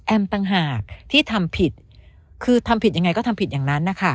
ต่างหากที่ทำผิดคือทำผิดยังไงก็ทำผิดอย่างนั้นนะคะ